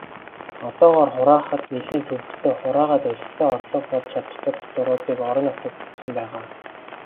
Одоогоор хураахад нэлээн төвөгтэй, хураагаад олигтой орлого болж чадахгүй татваруудыг орон нутагт өгсөн байгаа.